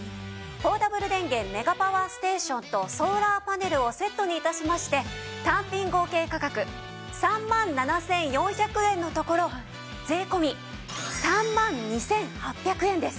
ポータブル電源メガパワーステーションとソーラーパネルをセットに致しまして単品合計価格３万７４００円のところ税込３万２８００円です。